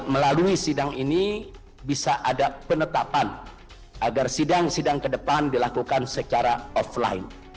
melalui sidang ini bisa ada penetapan agar sidang sidang ke depan dilakukan secara offline